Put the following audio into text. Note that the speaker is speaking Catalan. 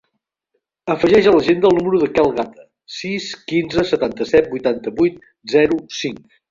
Afegeix a l'agenda el número del Quel Gata: sis, quinze, setanta-set, vuitanta-vuit, zero, cinc.